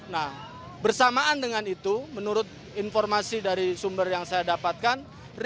nah bersamaan dengan itu menurut informasi dari sumber yang saya dapatkan